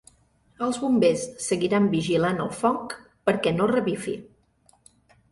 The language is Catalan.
Els Bombers seguiran vigilant el foc perquè no revifi.